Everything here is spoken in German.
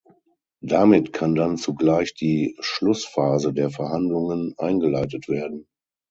Damit kann dann zugleich die Schlussphase der Verhandlungen eingeleitet werden.